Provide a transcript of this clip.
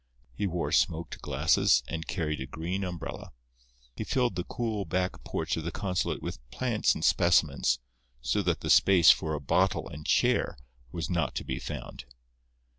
He wore smoked glasses, and carried a green umbrella. He filled the cool, back porch of the consulate with plants and specimens so that space for a bottle and chair was not to be found.